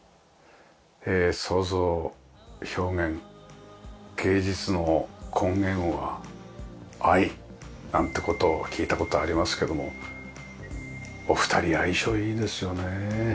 創造表現芸術の根源は愛。なんて事を聞いた事がありますけどもお二人相性いいですよね。